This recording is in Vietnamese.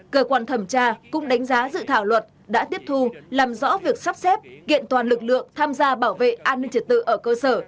cơ quan thẩm tra cũng đánh giá dự thảo luật đã tiếp thu làm rõ việc sắp xếp kiện toàn lực lượng tham gia bảo vệ an ninh trật tự ở cơ sở